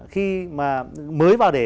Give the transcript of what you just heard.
khi mà mới vào đề